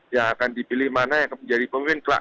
yang akan dipilih mana yang akan menjadi pemimpin seperti apa